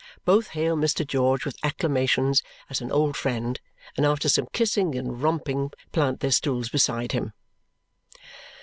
Both hail Mr. George with acclamations as an old friend and after some kissing and romping plant their stools beside him.